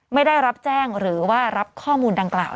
ไม่ได้รับแจ้งหรือว่ารับข้อมูลดังกล่าว